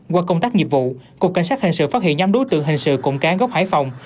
qua công tác nghiệp vụ cục cảnh sát hình sự phát hiện nhóm đối tượng hình sự cụm cán gốc hải phòng